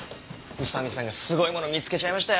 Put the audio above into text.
宇佐見さんがすごいもの見つけちゃいましたよ。